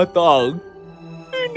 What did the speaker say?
ini adalah penghormatan yang sangat penting